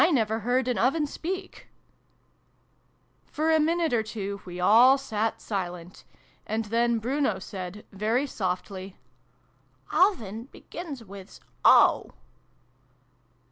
never heard an Oven speak !" For a minute or two we all sat silent ; and then Bruno said, very softly, " Oven begins wiz ' O '."